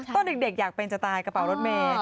ตอนเด็กอยากเป็นจะตายกระเป๋ารถเมย์